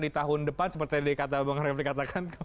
di tahun depan seperti dikata bung refri katakan